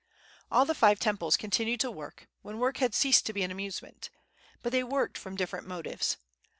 All the five Temples continued to work, when work had ceased to be an amusement; but they worked from different motives.